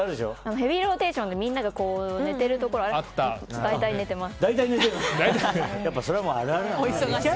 「ヘビーローテーション」でみんなが寝てるところの間に寝てました。